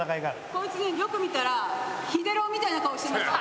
こいつねよく見たら日出郎みたいな顔してますよ。